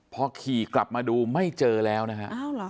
พอขี่กลับมาดูไม่เจอแล้วนะฮะ